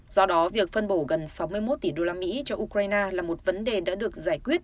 do đó việc phân bổ gần sáu mươi một tỷ đô la mỹ cho ukraine là một vấn đề đã được giải quyết